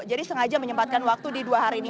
jadi sengaja menyempatkan waktu di dua hari ini